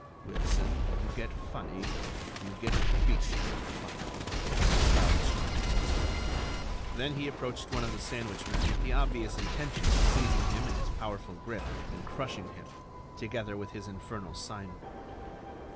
"Wilson, when you get funny, you get beastly funny," growled Sholmes. Then he approached one of the sandwich men with the obvious intention of seizing him in his powerful grip and crushing him, together with his infernal sign board.